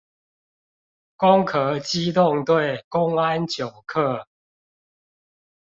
攻殼機動隊公安九課